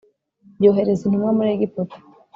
Yohereza intumwa muri egiputa